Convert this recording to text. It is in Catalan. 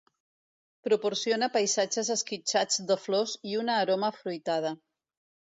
Proporciona paisatges esquitxats de flors i una aroma afruitada.